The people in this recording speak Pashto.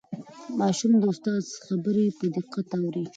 ماشوم د استاد خبرې په دقت اوري